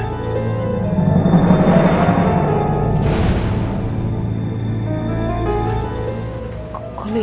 kulit telur emas apa ya pak